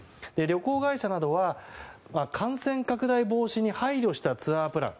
旅行会社などは、感染拡大防止に配慮したツアープラン。